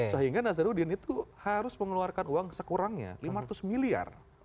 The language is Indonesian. sehingga nazarudin itu harus mengeluarkan uang sekurangnya lima ratus miliar